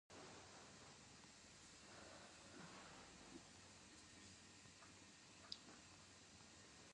پالک یوه پاڼه لرونکی سبزی ده